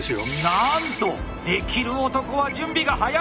なんとデキる男は準備が早い！